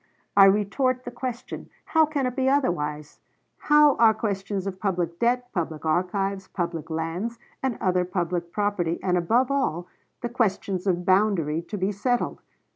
I retort the question. How can it be otherwise? How are questions of public debt, public archives, public lands, and other public property, and, above all, the questions of boundary to be settled?